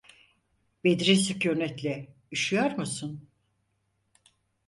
Bedri sükûnetle: "Üşüyor musun?"